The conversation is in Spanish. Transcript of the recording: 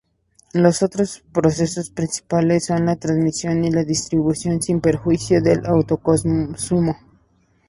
Los otros procesos principales son la transmisión y la distribución, sin perjuicio del autoconsumo.